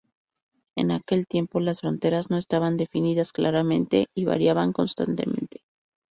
En aquel tiempo, las fronteras no estaban definidas claramente y variaban constantemente.